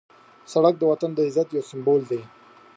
سړک د وطن د عزت یو سمبول دی.